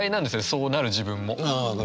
そうなる自分も。